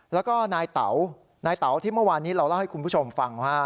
แล้วก็นายเต๋านายเต๋าที่เมื่อวานนี้เราเล่าให้คุณผู้ชมฟัง